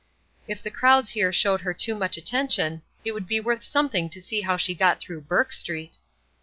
If the crowds here showed her too much attention, it would be worth something to see how she got through Burk Street.